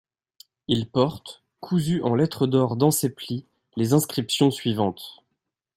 Il porte, cousues en lettres d'or dans ses plis, les inscriptions suivantes.